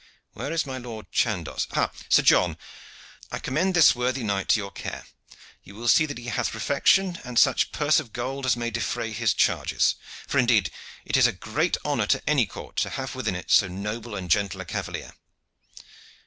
Where is my Lord Chandos? Ha, Sir John, I commend this worthy knight to your care. You will see that he hath refection, and such a purse of gold as may defray his charges, for indeed it is great honor to any court to have within it so noble and gentle a cavalier.